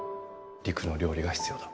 りくの料理が必要だ。